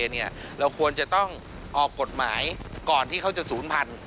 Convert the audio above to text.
เราควรจะต้องออกกฎหมายก่อนที่เขาจะศูนย์พันธุ